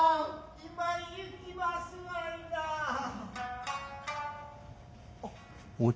・今行きますわいナ。